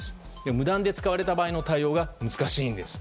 無断で使われた場合の対応が難しいんです。